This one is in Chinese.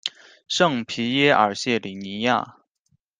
圣皮耶尔谢里尼亚。